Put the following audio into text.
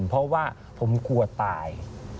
เพราะว่าผมกลัวตาย